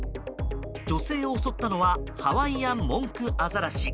女性を襲ったのはハワイアンモンクアザラシ。